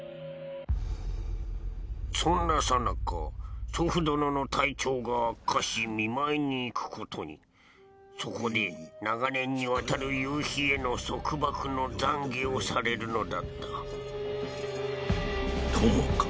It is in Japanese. そんなさなか祖父殿の体調が悪化し見舞いに行くことにそこで長年にわたる夕日への束縛の懺悔をされるのだった友か？